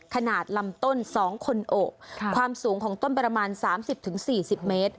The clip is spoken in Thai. ขนาดลำต้น๒คนโอบความสูงของต้นประมาณ๓๐๔๐เมตร